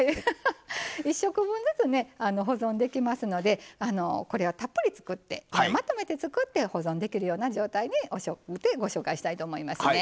１食分ずつね保存できますのでこれはたっぷり作ってまとめて作って保存できるような状態でご紹介したいと思いますね。